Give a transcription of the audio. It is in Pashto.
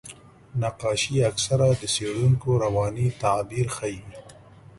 نقاشي اکثره د څېړونکو رواني تعبیر ښيي.